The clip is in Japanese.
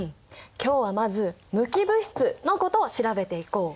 今日はまず無機物質のことを調べていこう。